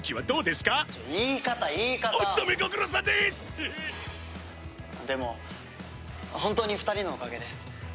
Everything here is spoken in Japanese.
でも本当に２人のおかげです。